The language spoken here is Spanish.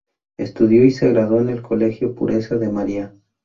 Estudio y se graduó en el Colegio Pureza de María.